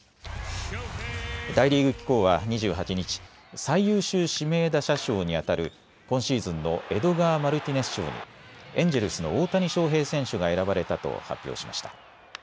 大リーグ機構は２８日、最優秀指名打者賞にあたる今シーズンのエドガー・マルティネス賞にエンジェルスの大谷翔平選手が選ばれたと発表しました。